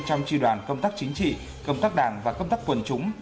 trong tri đoàn công tác chính trị công tác đảng và công tác quần chúng